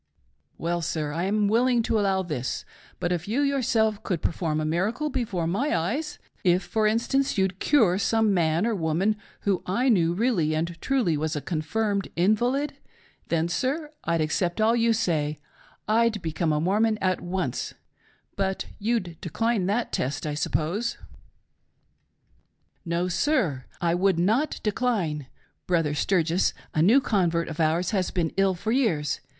: Well, sir, I am willing to allow this, but if you your self could perform a miracle before my eyes — if, for instance, you'd cure some man or woman who I knew really and truly was a confirmed invalid — then, sir, I'd accept all you say' — I'd become a Mormon at once ; but you'd decline that test, I sup pose } M. '. No, sir! I would not. decline! Brother Sturges, a new 78 THE PRAYER OF FAITH SHALL SAVE THE SICK. convert of ours, has been ill for years.